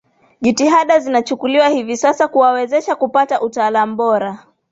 Jitihada zinachukuliwa hivi sasa kuwawezesha kupata utaalamu bora